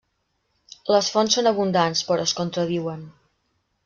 Les fonts són abundants però es contradiuen.